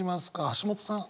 橋本さん。